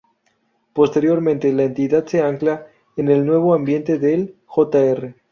Posteriormente, la entidad se ancla en el nuevo ambiente del Jr.